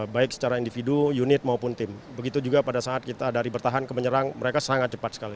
baik secara individu unit maupun tim begitu juga pada saat kita dari bertahan ke menyerang mereka sangat cepat sekali